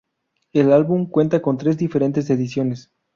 El álbum cuenta con tres diferentes ediciones.